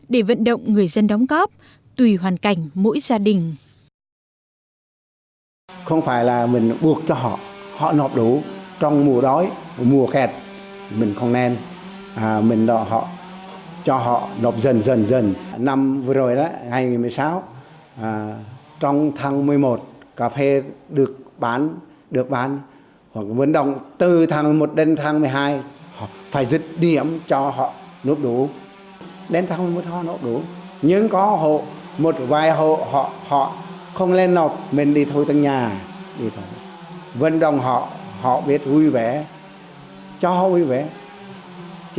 để vận động người dân đóng góp tùy hoàn cảnh mỗi gia đình